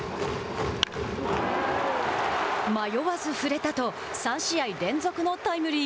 迷わず振れたと３試合連続のタイムリー。